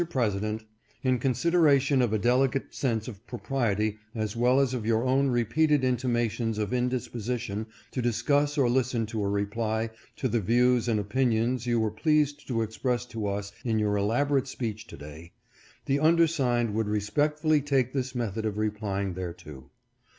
President : In consideration of a delicate sense of propriety as well as of your own repeated intimations of indisposition to discuss or listen to a reply to the views and opinions you were pleased to express to us in your elaborate speech to day, the undersigned would respect fully take this method of replying thereto.